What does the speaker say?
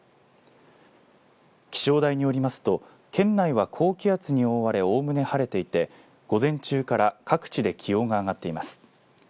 気象台によりますと、県内は高気圧に覆われおおむね晴れていて午前中から各地で気温が上がっています。